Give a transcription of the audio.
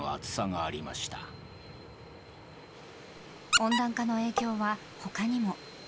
温暖化の影響は他にも。